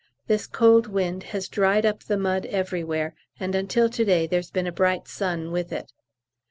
This cold wind has dried up the mud everywhere, and until to day there's been a bright sun with it.